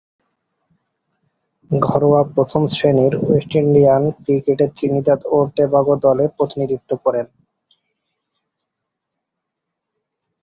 ঘরোয়া প্রথম-শ্রেণীর West Indian ক্রিকেটে ত্রিনিদাদ ও টোবাগো দলের প্রতিনিধিত্ব করেন।